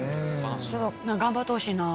頑張ってほしいな。